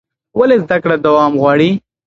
ولې زده کړه دوام غواړي؟